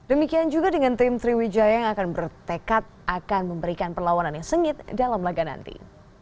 demikian juga dengan tim sriwijaya yang akan bertekad akan memberikan perlawanan yang sengit dalam laga nanti